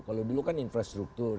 kalau dulu kan infrastruktur